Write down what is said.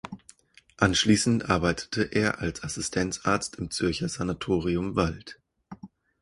Anschliessend arbeitete er als Assistenzarzt im Zürcher Sanatorium Wald.